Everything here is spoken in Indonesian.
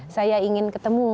saya ingin ketemu